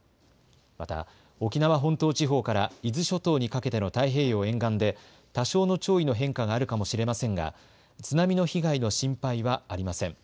また沖縄本島地方から伊豆諸島にかけての太平洋沿岸で多少の潮位の変化があるかもしれませんが津波の被害の心配はありません。